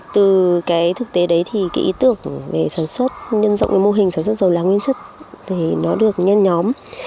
từ cái thực tế đấy thì cái ý tưởng về sản xuất nhân rộng với mô hình sản xuất dầu lá nguyên chất thì nó được nhân nhóm